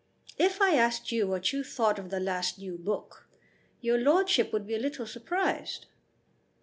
If I asked you what you thought of the last new book, your lordship would be a little surprised."